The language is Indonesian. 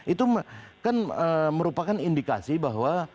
itu kan merupakan indikasi bahwa